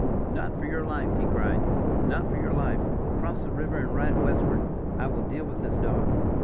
"Not for your life!" he cried "not for your life! Cross the river, and ride westward. I will deal with this dog."